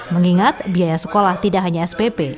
mengingat biaya sekolah tidak hanya spp